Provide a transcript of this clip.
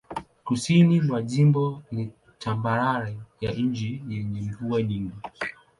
Kusini mwa jimbo ni tambarare ya chini yenye mvua nyingi.